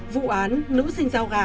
vụ án nữ sinh giao gà